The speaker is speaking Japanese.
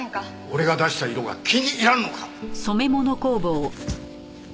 俺が出した色が気に入らんのか！？